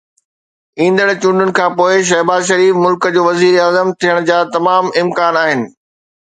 ايندڙ چونڊن کانپوءِ شهباز شريف ملڪ جو وزيراعظم ٿيڻ جا تمام امڪان آهن.